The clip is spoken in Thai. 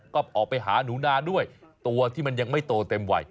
ก็ออกไปหาหนูนาด้วยตัวที่มันยังไม่โตเต็มวัย